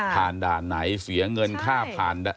ผ่านด่านไหนเสียเงินค่า